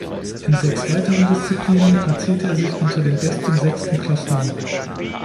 In sechs weiteren Disziplinen platzierte er sich unter den besten Sechs im Klassement.